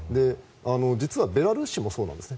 実はベラルーシもそうなんです。